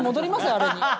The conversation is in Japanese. あれに。